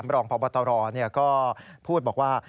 รองพบตรก็พูดบอกว่า